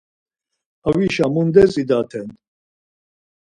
Avişa mundes idaten?